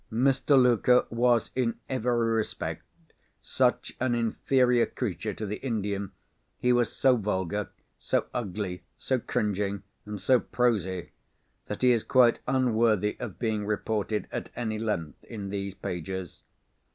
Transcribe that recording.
Mr. Luker was, in every respect, such an inferior creature to the Indian—he was so vulgar, so ugly, so cringing, and so prosy—that he is quite unworthy of being reported, at any length, in these pages.